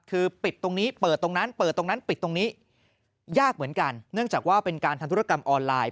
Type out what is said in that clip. คือปิดตรงนี้เปิดตรงนั้นเปิดตรงนั้นปิดตรงนี้ยากเหมือนกันเนื่องจากว่าเป็นการทำธุรกรรมออนไลน์